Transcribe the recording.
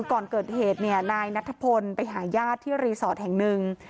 ก่อนเกิดเหตุเนี่ยนายนัทพลไปหาญาติที่รีสอร์ทแห่งหนึ่ง